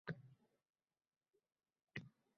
Jununim qa’rida payg’ambar – anduh